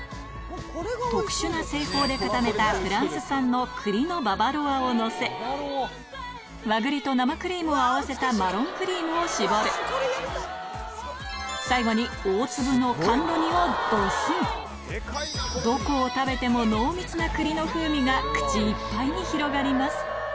特殊な製法で固めたフランス産の栗のババロアをのせ和栗と生クリームを合わせたマロンクリームを絞る最後に大粒の甘露煮をドスンどこを食べても濃密な栗の風味が口いっぱいに広がります